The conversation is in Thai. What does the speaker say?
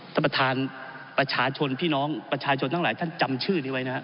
ท่านประธานประชาชนพี่น้องประชาชนทั้งหลายท่านจำชื่อนี้ไว้นะครับ